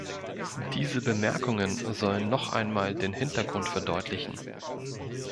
Diese Bemerkungen sollen noch einmal den Hintergrund verdeutlichen.